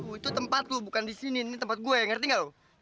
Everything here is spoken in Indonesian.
itu tempat lo bukan disini ini tempat gue ngerti nggak lo